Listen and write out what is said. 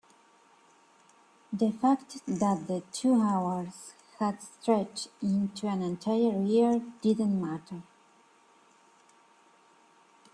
the fact that the two hours had stretched into an entire year didn't matter.